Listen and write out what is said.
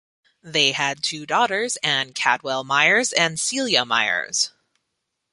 They had two daughters, Anne Caldwell Myers and Celia Myers.